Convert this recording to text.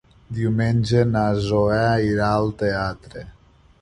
Diumenge na Zoè irà al teatre.